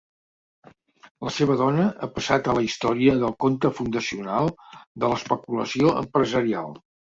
La seva dona ha passat a la història pel conte fundacional de l'especulació empresarial.